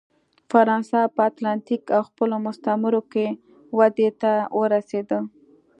فرانسه په اتلانتیک او خپلو مستعمرو کې ودې ته ورسېده.